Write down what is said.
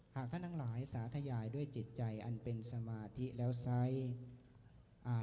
หากท่านทั้งหลายสาธยายด้วยจิตใจอันเป็นสมาธิแล้วไซส์อ่า